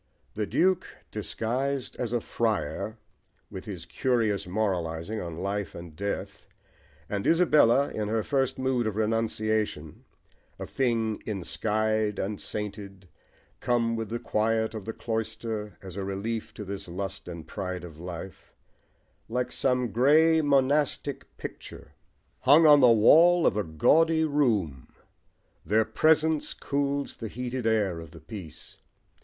The Duke disguised as a friar, with his curious moralising on life and death, and Isabella in her first mood of renunciation, a thing "ensky'd and sainted," come with the quiet of the cloister as a relief to this lust and pride of life: like some grey monastic picture hung on the wall of a gaudy room, their presence cools the heated air of the piece.